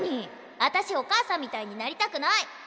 あたしお母さんみたいになりたくない！